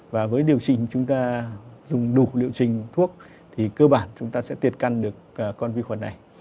và với điều trình chúng ta dùng đủ liệu trình thuốc thì cơ bản chúng ta sẽ tiệc căn được con vi khuẩn này